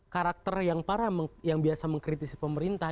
karakter yang parah yang biasa mengkritisi pemerintah